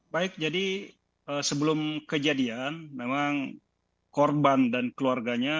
baik jadi sebelum kejadian memang korban dan keluarganya